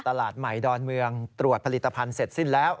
ตลาดใหม่ดอนเมืองตรวจผลิตภัณฑ์เสร็จสิ้นแล้ว